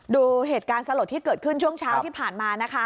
ดูเหตุการณ์สลดที่เกิดขึ้นช่วงเช้าที่ผ่านมานะคะ